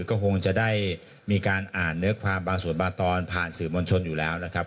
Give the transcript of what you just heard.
ก็คงจะได้มีการอ่านเนื้อความบางส่วนบางตอนผ่านสื่อมวลชนอยู่แล้วนะครับ